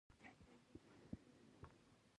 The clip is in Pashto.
هلته مې اووه شپې په درمسال کې تېرې کړې.